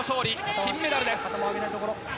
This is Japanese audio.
金メダルです。